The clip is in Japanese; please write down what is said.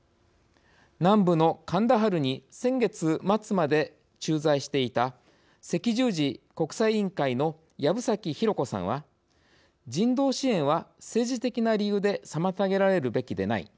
南部のカンダハルに先月末まで駐在していた赤十字国際委員会の藪崎拡子さんは「人道支援は政治的な理由で妨げられるべきでない。